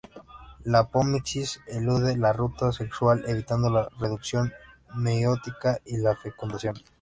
La apomixis elude la ruta sexual evitando la reducción meiótica y la fecundación.